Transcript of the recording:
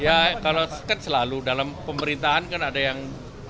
ya kalau kan selalu dalam pemerintahan kan ada yang